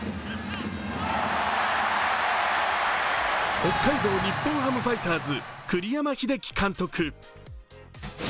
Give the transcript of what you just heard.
北海道日本ハムファイターズ、栗山英樹監督。